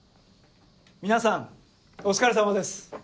皆さんお疲れさまです。